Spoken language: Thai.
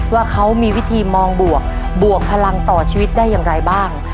ว่าเขามีวิธีมองบวกบวกพลังต่อชีวิตได้อย่างไรบ้าง